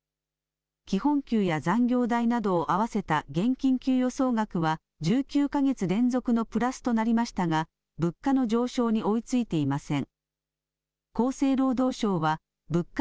基本給や残業代などを合わせた現金給与総額は１９か月連続のプラスとなりましたが物価の上昇に追いついていません。